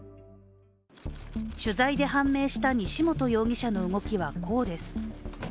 取材で判明した西本容疑者の動きはこうです。